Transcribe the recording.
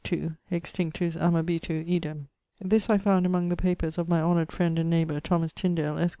2: Extinctus amabitur idem. This I found among the papers of my honoured friend and neighbour Thomas Tyndale, esq.